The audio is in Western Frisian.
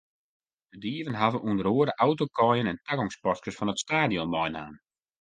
De dieven hawwe ûnder oare autokaaien en tagongspaskes fan it stadion meinaam.